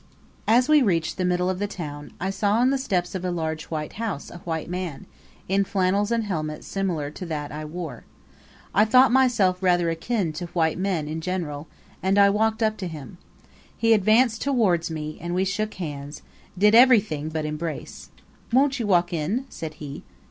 As we reached the middle of the town, I saw on the steps of a large white house a white man, in flannels and helmet similar to that I wore. I thought myself rather akin to white men in general, and I walked up to him. He advanced towards me, and we shook hands did everything but embrace. "Won't you walk in?" said he.